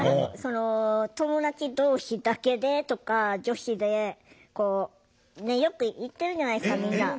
友達同士だけでとか女子でこうよく行ってるじゃないですかみんな。